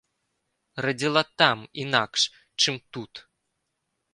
Радзіла там інакш, чым тут.